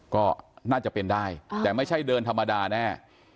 ก็น่าจะเป็นได้แต่ไม่ใช่เดินธรรมดาแน่